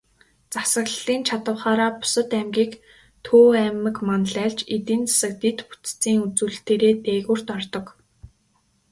Засаглалын чадавхаараа бусад аймгийг Төв аймаг манлайлж, эдийн засаг, дэд бүтцийн үзүүлэлтээрээ дээгүүрт ордог.